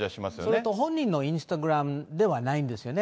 それと本人のインスタグラムではないんですよね。